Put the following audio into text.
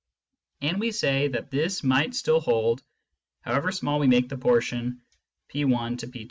And we say that this must still hold however small we make the portion P^ Pg.